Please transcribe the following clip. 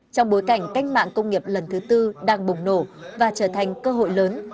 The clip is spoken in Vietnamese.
trong bối cảnh cách mạng công nghiệp lần thứ tư đang bùng nổ và trở thành cơ hội lớn